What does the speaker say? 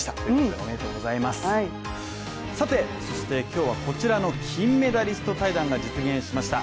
さて、そして今日はこちらの金メダリスト対談が実現しました。